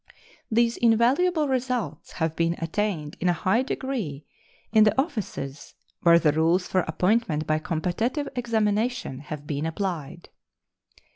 These invaluable results have been attained in a high degree in the offices where the rules for appointment by competitive examination have been applied.